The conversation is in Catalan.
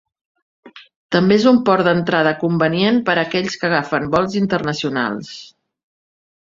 També és un port d'entrada convenient per aquells que agafen vols internacionals.